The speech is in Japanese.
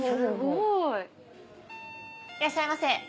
いらっしゃいませ。